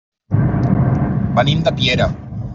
Venim de Piera.